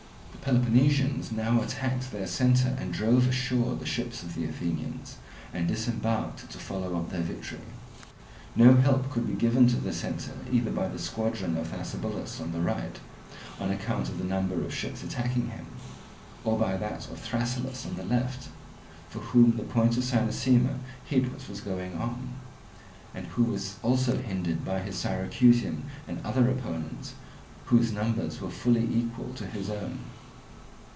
The Peloponnesians now attacked their centre and drove ashore the ships of the Athenians, and disembarked to follow up their victory. No help could be given to the centre either by the squadron of Thrasybulus on the right, on account of the number of ships attacking him, or by that of Thrasyllus on the left, from whom the point of Cynossema hid what was going on, and who was also hindered by his Syracusan and other opponents, whose numbers were fully equal to his own.